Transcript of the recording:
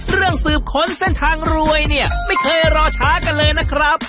เรื่องสืบค้นเส้นทางรวยเนี่ยไม่เคยรอช้ากันเลยนะครับ